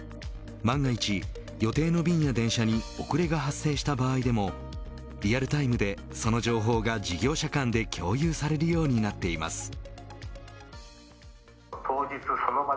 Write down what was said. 万が一、予定の便や電車に遅れが発生した場合でもリアルタイムでその情報が事業者間で共有されるようになっています。